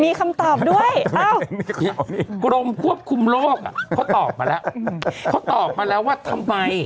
มีคำตอบด้วยกรมควบคุมโรคเขาตอบมาแล้วเขาตอบมาแล้วว่าทำไม